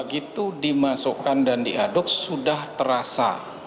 begitu dimasukkan dan diaduk sudah terasa